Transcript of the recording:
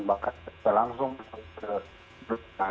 bahkan bisa langsung ke brutal